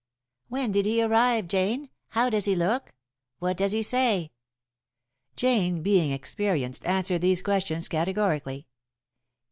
"When did he arrive, Jane? How does he look? What does he say?" Jane, being experienced, answered these questions categorically.